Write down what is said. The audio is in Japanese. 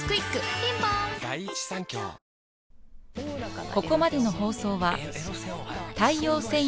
ピンポーンへぇ。